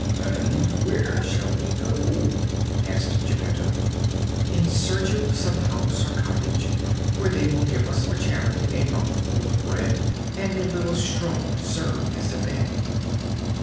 "And where shall we go?" asked Geppetto. "In search of some house or cottage, where they will give us for charity a mouthful of bread, and a little straw to serve as a bed."